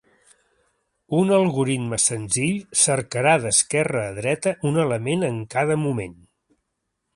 Un algoritme senzill cercarà d'esquerra a dreta, un element en cada moment.